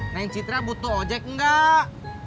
nanti kita butuh ojek nggak